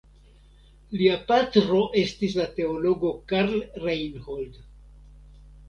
Lia patro estis la teologo Karl Reinhold.